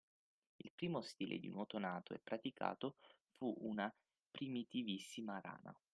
Il primo stile di nuoto “nato” e praticato fu una primitivissima rana.